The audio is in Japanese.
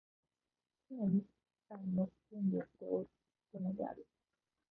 常に詩材の準備をして置くのである。